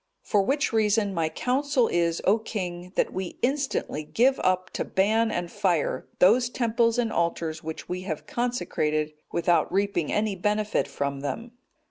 For which reason my counsel is, O king, that we instantly give up to ban and fire those temples and altars which we have consecrated without reaping any benefit from them."